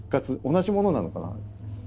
同じものなのかな。